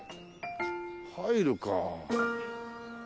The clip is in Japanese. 入るか。